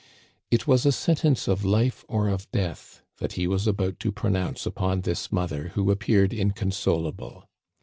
It was a sentence of life or of death that he was about to pronounce upon this mother who appeared inconsolable.